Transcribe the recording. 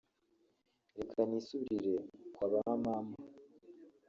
reka nisubirire kwa ba mama